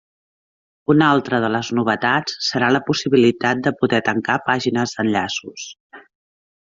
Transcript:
Una altra de les novetats serà la possibilitat de poder tancar pàgines d'enllaços.